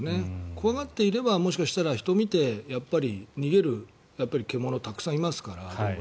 怖がっていればもしかしたら人を見て逃げる獣はたくさんいますから。